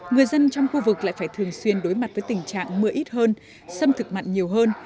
người dân trong khu vực lại phải thường xuyên đối mặt với tình trạng mưa ít hơn xâm thực mặn nhiều hơn